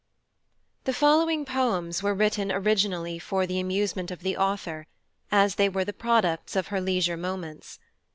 THE following POEMS were written originally for the Amusement of the Author, as they were the Products of her leisure Moments.